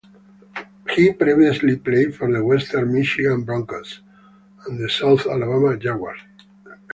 He previously played for the Western Michigan Broncos and the South Alabama Jaguars.